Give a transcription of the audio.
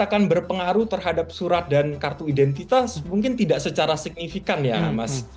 akan berpengaruh terhadap surat dan kartu identitas mungkin tidak secara signifikan ya mas